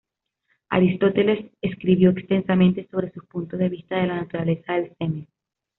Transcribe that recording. Aristóteles escribió extensamente sobre sus puntos de vista de la naturaleza del semen.